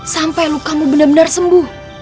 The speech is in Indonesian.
sampai luka mu benar benar sembuh